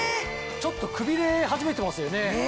ちょっとくびれ始めてますよね。